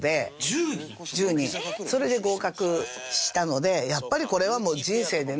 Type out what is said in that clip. それで合格したのでやっぱりこれは人生でね